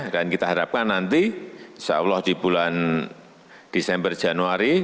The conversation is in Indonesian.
dan kita harapkan nanti insyaallah di bulan desember januari